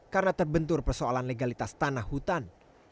karena terbentur persoalan legalitas tanah hutan